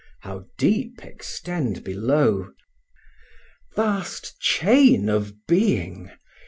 how deep extend below? Vast chain of being!